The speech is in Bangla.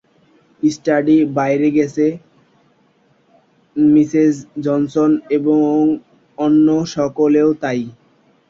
স্টার্ডি বাইরে গেছে, মিসেস জনসন এবং অন্য সকলেও তাই।